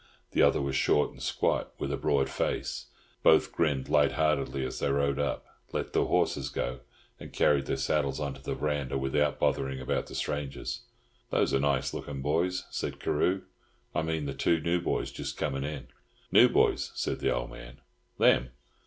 The other was short and squat, with a broad face. Both grinned light heartedly as they rode up, let their horses go, and carried their saddles on to the verandah, without bothering about the strangers. "Those are nice looking boys," said Carew. "I mean the two new boys just coming in." "New boys!" said the old man. "Them!